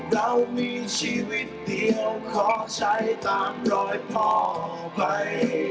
เรามีชีวิตเดียวขอใช้ตามรอยพ่อไป